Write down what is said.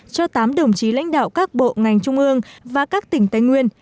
cho tám đồng chí lãnh đạo các bộ ngành trung ương và các tỉnh tây nguyên